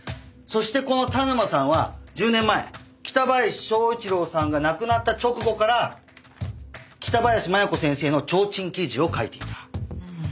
そしてこの田沼さんは１０年前北林昭一郎さんが亡くなった直後から北林麻弥子先生の提灯記事を書いていた。